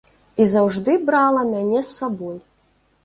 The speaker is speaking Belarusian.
І заўжды брала мяне з сабой.